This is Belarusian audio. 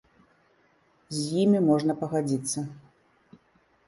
З імі можна пагадзіцца.